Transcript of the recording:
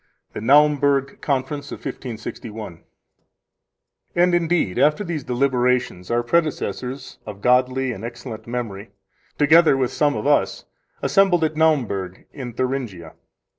The Naumburg Conference of 1561 7 And, indeed, after these deliberations our predecessors, of godly and excellent memory, together with some of us, assembled at Naumburg in Thuringia.